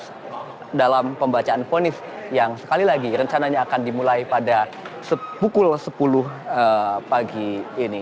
dan juga terlibat dalam pembacaan ponis yang sekali lagi rencananya akan dimulai pada pukul sepuluh pagi ini